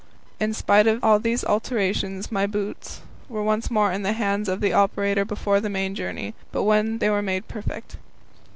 In spite of all these alterations, my boots were once more in the hands of the operator before the main journey, but then they were made perfect.